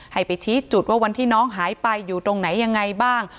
ให้ไปชี้จุดว่าวันที่น้องหายไปอยู่ตรงไหนยังไงบ้าง